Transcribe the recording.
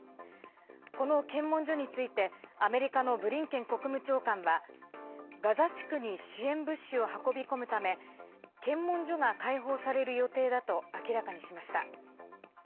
この検問所についてアメリカのブリンケン国務長官はガザ地区に支援物資を運び込むため検問所が開放される予定だと明らかにしました。